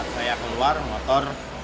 saya keluar motor